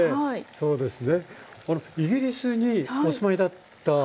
そうですね。